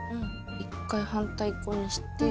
１回反対側にして。